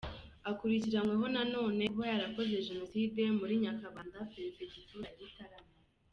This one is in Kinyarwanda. Akurikiranweho na none kuba yarakoze Jenoside muri Nyakabanda, perefegitura ya Gitarama.